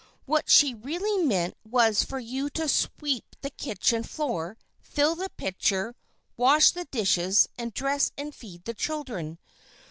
What she really meant was for you to sweep the kitchen floor, fill the pitcher, wash the dishes, and dress and feed the children.